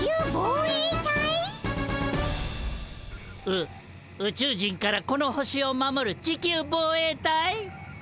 う宇宙人からこの星を守る地球防衛隊？